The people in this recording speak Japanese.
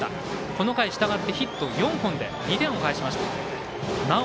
この回、したがってヒット４本で２点を返しました。